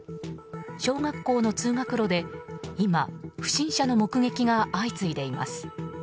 小学校の通学路で今、不審者の目撃が相次いでいます。